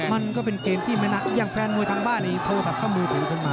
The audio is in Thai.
มันก็เป็นเกมที่ไม่นักยังแฟนมวยทางบ้านโทรศัพท์เข้ามือถึง